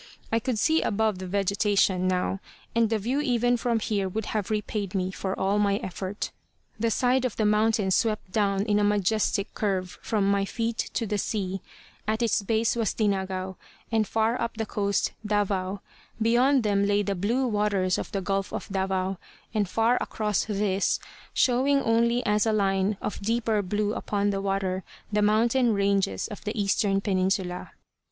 I could see above the vegetation, now, and the view even from here would have repaid me for all my effort. The side of the mountain swept down in a majestic curve from my feet to the sea. At its base was Dinagao, and farther up the coast, Davao. Beyond them lay the blue waters of the Gulf of Davao, and far across this, showing only as a line of deeper blue upon the water, the mountain ranges of the eastern peninsula.